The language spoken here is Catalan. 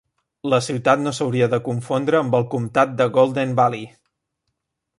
La ciutat no s'hauria de confondre amb el comtat de Golden Valley.